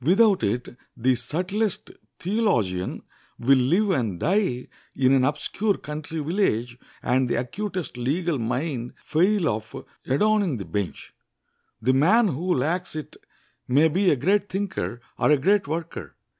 Without it the subtlest theologian will live and die in an obscure country village, and the acutest legal mind fail of adorning the bench. The man who lacks it may be a great thinker or a great worker.